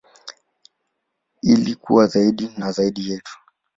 Ili kuwa zaidi na zaidi yetu.